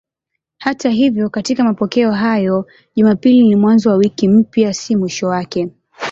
Hata hivyo katika mapokeo hayo Jumapili ni mwanzo wa wiki mpya, si mwisho wake.